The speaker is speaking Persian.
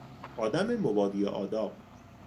آدم مبادی آداب